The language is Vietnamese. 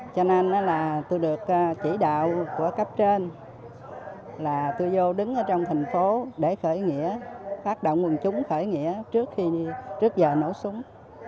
cho nên là tôi được chỉ đạo của cấp trên là tôi vô đứng ở trong thành phố để khởi nghĩa phát động quần chúng khởi nghĩa trước khi trước giờ nổ súng